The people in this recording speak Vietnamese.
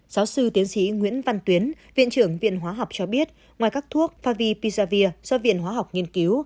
giáo sư tiến sĩ nguyễn văn tuyến viện trưởng viện hóa học cho biết ngoài các thuốc favi pizavir do viện hóa học nghiên cứu